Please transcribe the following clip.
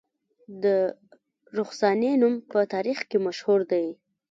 د رخسانې نوم په تاریخ کې مشهور دی